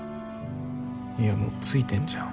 いやもうついてんじゃん。